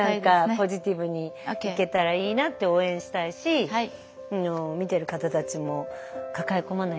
ポジティブにいけたらいいなって応援したいし見てる方たちも抱え込まないでね